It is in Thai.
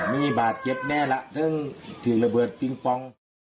มีบาทเจ็บแน่แล้วถึงถึงระเบิดปิ๊งปอง